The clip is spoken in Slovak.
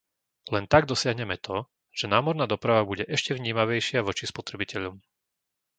Len tak dosiahneme to, že námorná doprava bude ešte vnímavejšia voči spotrebiteľom.